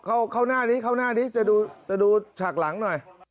เข้าหน้านี้เข้าหน้านี้จะดูจะดูฉากหลังหน่อย